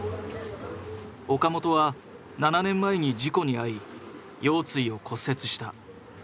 岡本は７年前に事故に遭い腰椎を骨折した。